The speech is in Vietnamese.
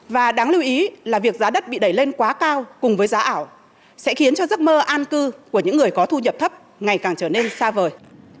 và đáng lưu ý là việc giá đất bị đẩy lên quá cao cùng với giá ảo sẽ khiến cho giấc mơ an cư của những người có thu nhập thấp ngày càng trở nên xa vời